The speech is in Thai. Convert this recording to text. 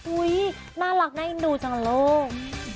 อุ๊ยน่ารักนะอินดูจังโลก